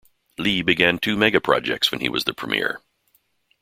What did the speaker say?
Li began two megaprojects when he was the Premier.